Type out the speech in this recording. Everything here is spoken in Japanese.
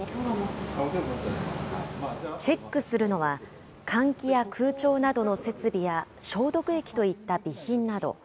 チェックするのは、換気や空調などの設備や消毒液といった備品など。